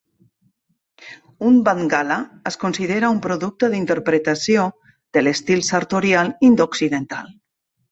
Un Bandhgala es considera un producte d'interpretació de l'estil sartorial indo-occidental.